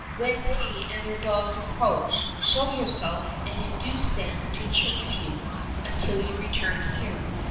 When they and their dogs approach show yourself and induce them to chase you until you return here.